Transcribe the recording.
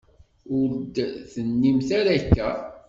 Ur d-tennimt ara akka.